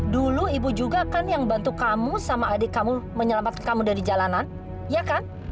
dulu ibu juga kan yang bantu kamu sama adik kamu menyelamatkan kamu dari jalanan ya kan